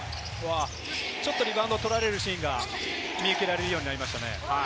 リバウンドを取られるシーンが見受けられるようになりました。